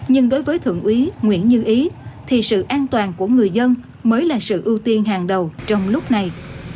nhưng đối với thượng úy nguyễn như ý thì sự an toàn của người dân mới là sự ưu tiên hàng đầu trong lúc này